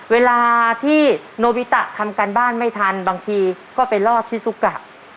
เวลาที่โนบิตะทำการบ้านไม่ทันบางทีก็ไปรอดที่ซุกะ